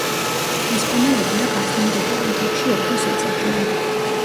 ესპანელები აქ ახლომდებარე მთებში ოქროს ეძებდნენ.